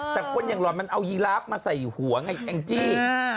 แต่คนอย่างหล่อนมันเอายีราฟมาใส่หัวไงแองจี้